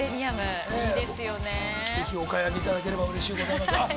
ぜひお買い上げいただければうれしゅうございます。